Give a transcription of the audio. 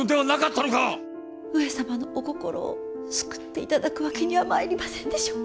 上様のお心を救って頂くわけにはまいりませんでしょうか。